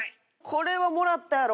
これはもらったやろ！